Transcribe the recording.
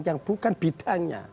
yang bukan bidangnya